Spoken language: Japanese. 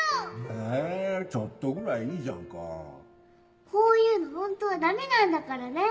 えちょっとぐらいいいじゃんかこういうのホントはダメなんだからね！